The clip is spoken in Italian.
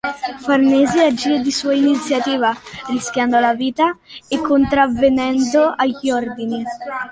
Farnese agì di sua iniziativa, rischiando la vita e contravvenendo agli ordini.